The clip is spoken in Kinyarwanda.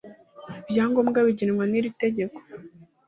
ibyangombwa bigenwa n iri tegeko